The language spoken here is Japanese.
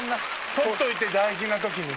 取っといて大事な時に。